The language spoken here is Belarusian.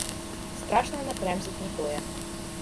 Страшна накрэмзаць не тое.